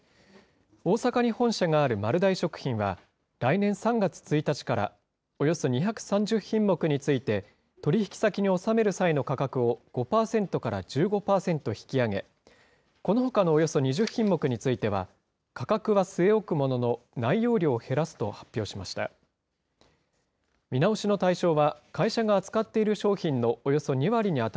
大阪に本社がある丸大食品は、来年３月１日から、およそ２３０品目について、取り引き先に納める際の価格を５％から１５％引き上げ、このほかのおよそ２０品目については、価格は据え置くものの、内容量を減らすと発表しました。